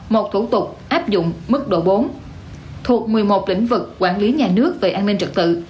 một thủ tục áp dụng mức độ bốn thuộc một mươi một lĩnh vực quản lý nhà nước về an ninh trật tự